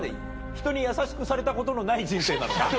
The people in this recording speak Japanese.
ひとに優しくされたことのない人生なのか？